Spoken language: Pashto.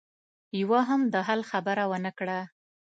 يوه هم د حل خبره ونه کړه.